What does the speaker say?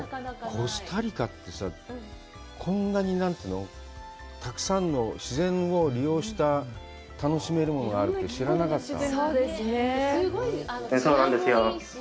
コスタリカってさ、こんなにたくさん自然を利用した楽しめるものがあるって、知らなかった。